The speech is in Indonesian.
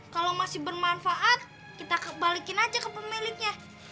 kalau masih bermanfaat kita balikin aja ke pemiliknya